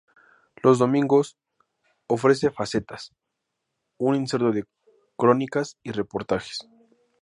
Los domingos ofrece Facetas, un inserto de crónicas y reportajes.